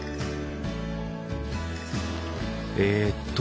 えっと